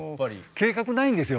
計画ないんですよ。